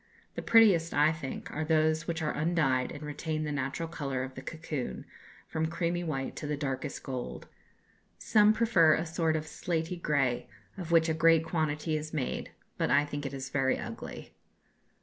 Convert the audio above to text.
The prettiest, I think, are those which are undyed and retain the natural colour of the cocoon, from creamy white to the darkest gold. Some prefer a sort of slaty grey, of which a great quantity is made, but I think it is very ugly."